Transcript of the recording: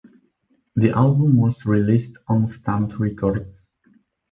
The album was released on Stunt Records.